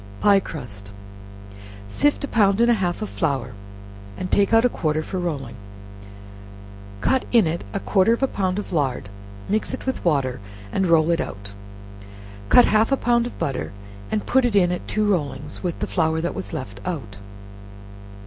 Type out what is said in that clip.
Pie Crust. Sift a pound and a half of flour, and take out a quarter for rolling; cut in it a quarter of a pound of lard, mix it with water, and roll it out; cut half a pound of butter, and put it in at two rollings with the flour that was left out.